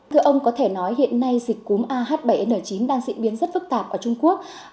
thưa ông có thể nói hiện nay dịch cúm ah bảy n chín đang diễn biến rất phức tạp ở trung quốc